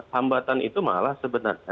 hambatan itu malah sebenarnya